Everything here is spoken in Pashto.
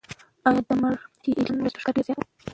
ایا د مرهټیانو لښکر ډېر زیات و؟